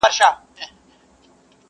ورته کښې یې ښوده ژر یوه تلکه.